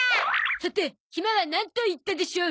さてひまはなんと言ったでしょう？